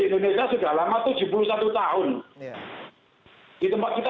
di tempat kita kalau tidak menanam tembaku tidak bisa